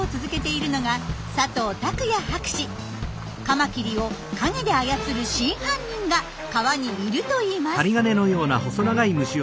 カマキリを陰で操る真犯人が川にいるといいます。